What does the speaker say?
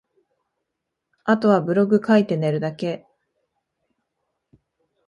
後はブログ書いて寝るだけ